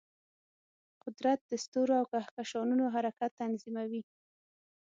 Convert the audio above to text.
قدرت د ستورو او کهکشانونو حرکت تنظیموي.